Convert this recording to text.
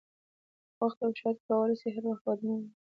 وخت او شرایط کولای شي هر وخت بدلون ومومي.